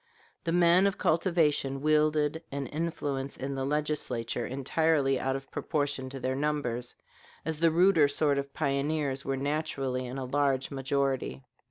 The men of cultivation wielded an influence in the Legislature entirely out of proportion to their numbers, as the ruder sort of pioneers were naturally in a large majority.